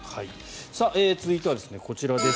続いては、こちらです。